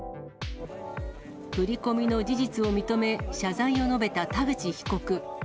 振り込みの事実を認め、謝罪を述べた田口被告。